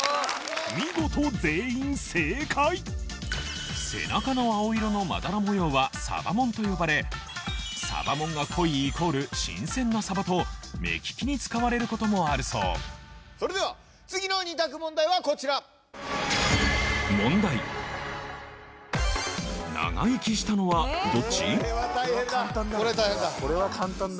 見事全員正解背中の青色のまだら模様はサバ紋と呼ばれサバ紋が濃いイコール新鮮なサバと目利きに使われることもあるそうそれでは次の２択問題はこちらこれは大変だ・